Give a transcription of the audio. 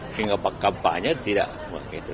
sehingga kampanye tidak begitu